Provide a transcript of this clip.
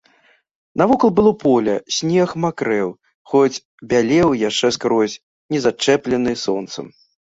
Навокал было поле, снег макрэў, хоць бялеў яшчэ скрозь, не зачэплены сонцам.